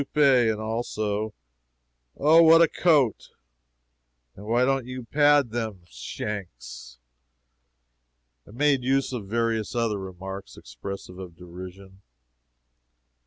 and also, "Oh, what a coat!" and "Why don't you pad them shanks?" and made use of various other remarks expressive of derision.